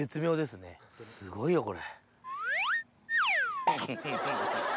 すごいよこれ。